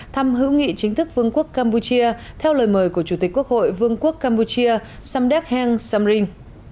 thăm hữu nghị chính thức vương quốc campuchia theo lời mời của chủ tịch quốc hội vương quốc campuchia samdek heng samring